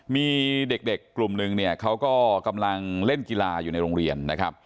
มีเด็กกลุ่มนึงเนี่ยเขาก็กำลังเล่นกีฬาอยู่ในโรงเรียนนะครับ